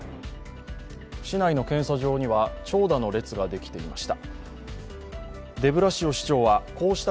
市内の検査場には長蛇の列ができていました。